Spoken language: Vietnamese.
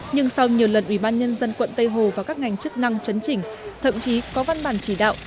nhưng sau nhiều lần ubnd quận tây hồ và các ngành chức năng chấn chỉnh thậm chí có văn bản chỉ đạo